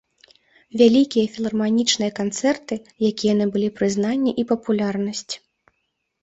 Вялікія філарманічныя канцэрты, якія набылі прызнанне і папулярнасць.